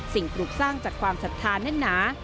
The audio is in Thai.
สิ่งปลูกสร้างจากความสัทธานเน่นหนา